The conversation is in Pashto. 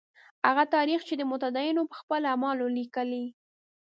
هغه تاریخ چې متدینو یې په خپلو اعمالو لیکلی.